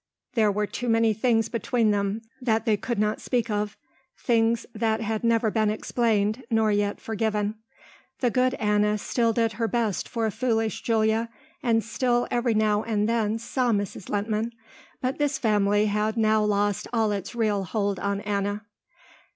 There were too many things between them that they could not speak of, things that had never been explained nor yet forgiven. The good Anna still did her best for foolish Julia and still every now and then saw Mrs. Lehntman, but this family had now lost all its real hold on Anna.